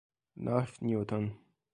North Newton